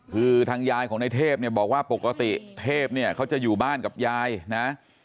คือทางยายของในเทพเนี่ยบอกว่าปกติเทพเนี่ยเขาจะอยู่บ้านกับยายนะ